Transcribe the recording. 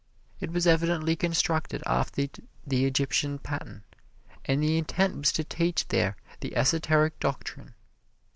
It was evidently constructed after the Egyptian pattern, and the intent was to teach there the esoteric doctrine.